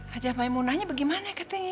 hajar maymunanya bagaimana kak ting